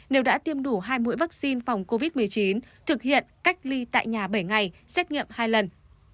nếu đã tiêm đủ hai mũi vaccine phòng covid một mươi chín thực hiện cách ly tại nhà bảy ngày xét nghiệm hai lần